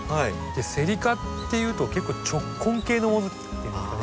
セリ科っていうと結構直根性のものっていうんですかね。